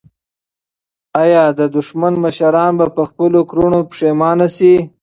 آیا د دښمن مشران به په خپلو کړنو پښېمانه شي؟